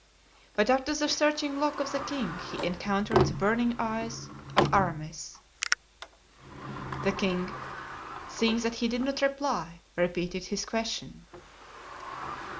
But after the searching look of the king he encountered the burning eyes of Aramis. The king, seeing that he did not reply, repeated his question.